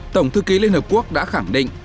tổng thư ký liên hợp quốc đã khẳng định